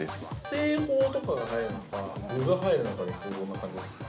◆製法とかが入るのか具が入るのかでいくとどんな感じですか。